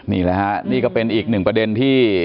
นี่แหละฮะนี่ก็เป็นอีกหนึ่งประเด็นที่